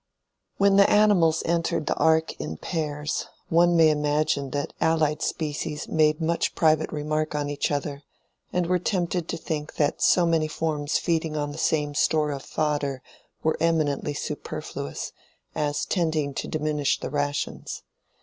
When the animals entered the Ark in pairs, one may imagine that allied species made much private remark on each other, and were tempted to think that so many forms feeding on the same store of fodder were eminently superfluous, as tending to diminish the rations.